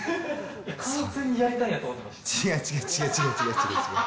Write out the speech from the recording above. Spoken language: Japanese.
完全にやりたいんやと思ってました。